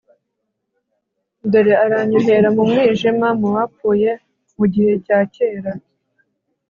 dore aranyohera mu mwijima, mu bapfuye bo mu gihe cya kera